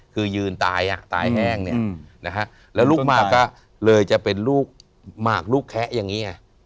คือยืนตายอ่ะตายแห้งเนี่ยนะฮะแล้วลูกมากก็เลยจะเป็นลูกหมากลูกแคะอย่างนี้ไง